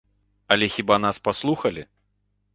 Але хіба нас паслухалі?